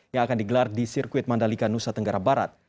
yang akan digelar di sirkuit mandalika nusa tenggara barat